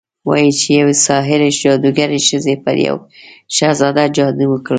وايي چې يوې ساحرې، جادوګرې ښځې پر يو شهزاده جادو وکړ